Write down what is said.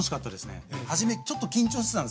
はじめちょっと緊張してたんすよ。